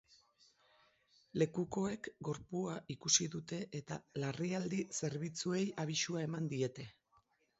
Lekukoek gorpua ikusi dute eta larrialdi zerbitzuei abisua eman diete.